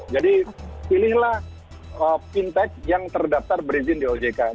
jadi pilihlah fintech yang terdaftar berizin di ojk